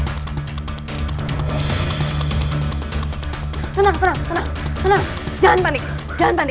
gua gak mau ada di sini